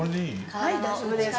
はい大丈夫です。